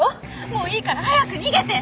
もういいから早く逃げて！